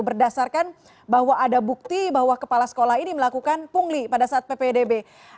berdasarkan bahwa ada bukti bahwa kepala sekolah ini melakukan pungli pada saat ppdb